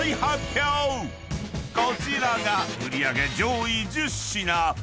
［こちらが売り上げ上位１０品］